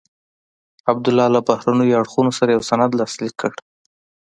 عبدالله له بهرنیو اړخونو سره یو سند لاسلیک کړ.